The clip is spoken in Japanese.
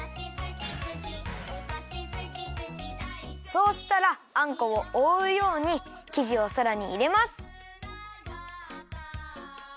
そうしたらあんこをおおうようにきじをさらにいれます。